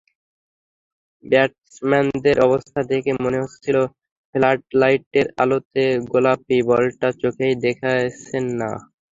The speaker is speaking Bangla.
ব্যাটসম্যানদের অবস্থা দেখে মনে হচ্ছিল, ফ্লাডলাইটের আলোতে গোলাপি বলটা চোখেই দেখছেন না।